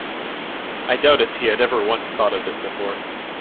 I doubt if he had ever once thought of it before.